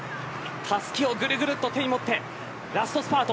たすきをぐるぐると手に持ってラストスパート。